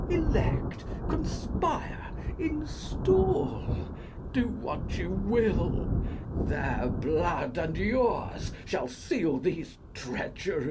Elect, conspire, install, do what you will: Their blood and yours shall seal these treacheries.